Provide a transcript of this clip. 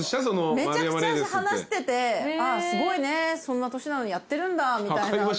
めちゃくちゃ話しててすごいねそんな年なのにやってるんだみたいな。